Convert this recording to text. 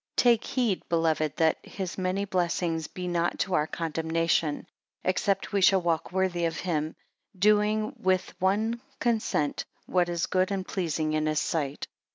TAKE heed, beloved, that his many blessings be not to our condemnation; except we shall walk worthy of him, doing with one consent what is good and pleasing in his sight.